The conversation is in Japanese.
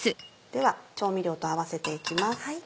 では調味料と合わせて行きます。